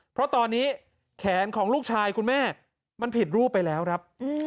เพราะตอนนี้แขนของลูกชายคุณแม่มันผิดรูปไปแล้วครับ